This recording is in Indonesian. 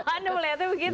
anda melihatnya begitu